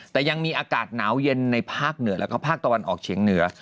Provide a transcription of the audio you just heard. แต่ยังมีอากาศหนาวเย็นในภาคเหนือแล้วก็ภาคตะวันออกเฉียงเหนือ